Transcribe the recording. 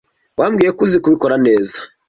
Wambwiye ko uzi kubikora.